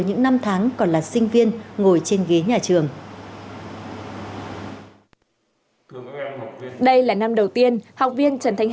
những năm tháng còn là sinh viên ngồi trên ghế nhà trường đây là năm đầu tiên học viên trần thành